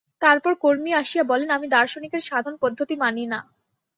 তারপর কর্মী আসিয়া বলেন, আমি দার্শনিকের সাধন-পদ্ধতি মানি না।